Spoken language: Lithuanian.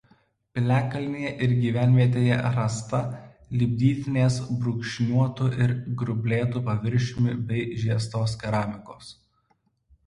Piliakalnyje ir gyvenvietėje rasta lipdytinės brūkšniuotu ir grublėtu paviršiumi bei žiestos keramikos.